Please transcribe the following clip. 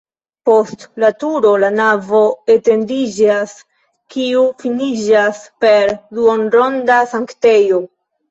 Post la turo la navo etendiĝas, kiu finiĝas per duonronda sanktejo.